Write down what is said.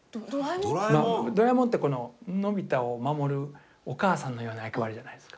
ドラえもんってのび太を守るお母さんのような役割じゃないですか。